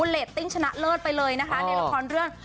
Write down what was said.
เรตติ้งชนะเลิศไปเลยนะคะในละครเรื่อง